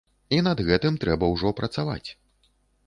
І над гэтым трэба ўжо працаваць.